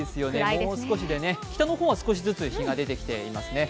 もう少しで、北の方は少しずつ日が出てきていますね。